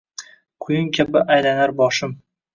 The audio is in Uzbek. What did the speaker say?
Quyun kabi aylanar boshim